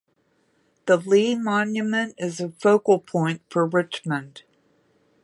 The Lee Monument is a focal point for Richmond.